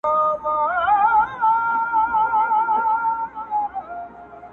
او پر خره باندي یې پیل کړل ګوزارونه٫